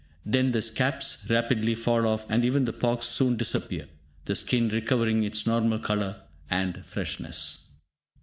Then the scabs rapidly fall off, and even the pocks soon disappear, the skin recovering its normal colour and freshness.